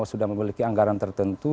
sudah memiliki anggaran tertentu